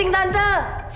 enggak dateng sama joann